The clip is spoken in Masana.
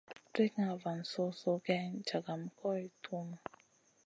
Brikŋa van so-soh geyni, jagam goy kay tuhmu.